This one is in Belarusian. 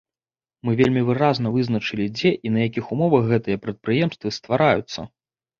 Мы вельмі выразна вызначылі, дзе і на якіх умовах гэтыя прадпрыемствы ствараюцца.